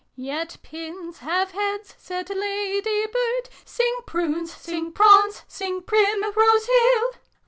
' Yet pins have heads,' said Lady Bird Sing Prunes, sing Prawns, sing Primrose Hill